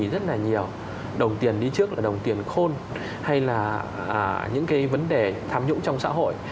phóng vi rất là nhiều đồng tiền đi trước là đồng tiền khôn hay là những cái vấn đề tham nhũng trong xã hội